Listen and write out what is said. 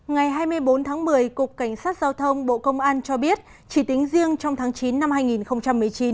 ngày hai mươi bốn tháng một mươi cục cảnh sát giao thông bộ công an cho biết chỉ tính riêng trong tháng chín năm hai nghìn một mươi chín